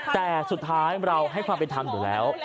แต่สุดท้ายเราให้ความเป็นธรรมอยู่แล้ว